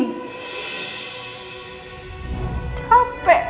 gimana rasanya ngeliat suami sendiri